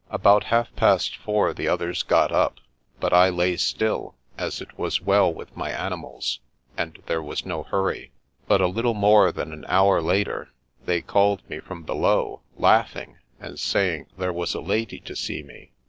About half past four the others got up, but I lay still, as it was well with my animals, and there was no hurry. But a little more than an hour later, they called me from below, laughing, and saying there was a lady to see / me.